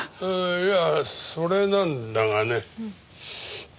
いやそれなんだがねうん。